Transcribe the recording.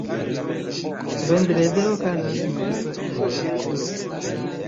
Vendrede okazas meso en la kapelo.